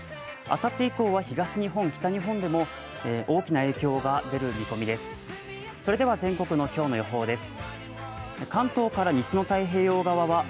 あさって以降は東日本、北日本でも大きな影響が出る見込みです。